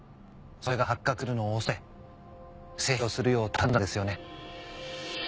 それが発覚するのを恐れ整氷するよう頼んだんですよね。